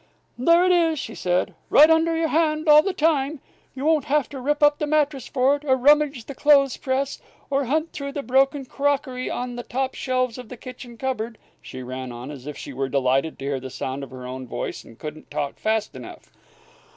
"There it is," said she, "right under your hand all the time. You won't have to rip up the mattress for it, or rummage the clothes press, or hunt through the broken crockery on the top shelves of the kitchen cupboard," she ran on, as if she were delighted to hear the sound of her own voice, and couldn't talk fast enough.